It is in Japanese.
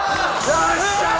よっしゃあ！